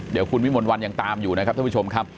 เดี๋ยวคุณวิมลวันยังตามอยู่นะครับท่านผู้ชมครับ